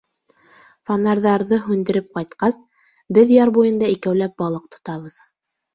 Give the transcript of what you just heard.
Фонарҙарҙы һүндереп ҡайтҡас, беҙ яр буйында икәүләп балыҡ тотабыҙ.